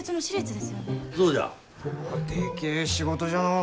でけえ仕事じゃのう。